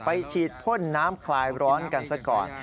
ฉีดพ่นน้ำคลายร้อนกันซะก่อน